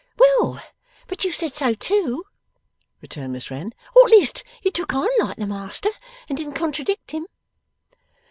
'Well; but you said so too,' returned Miss Wren. 'Or at least you took on like the master, and didn't contradict him.